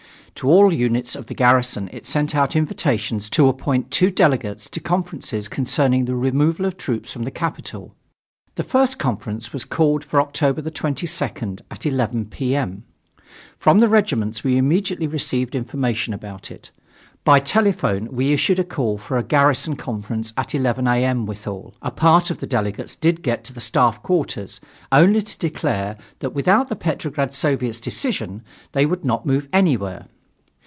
To all units of the garrison it sent out invitations to appoint two delegates to conferences concerning the removal of troops from the capital. The first conference was called for October 22nd, at 11 P. M. From the regiments we immediately received information about it. By telephone we issued a call for a garrison conference at 11 A. M. Withal, a part of the delegates did get to the Staff quarters, only to declare that without the Petrograd Soviet's decision they would not move anywhere.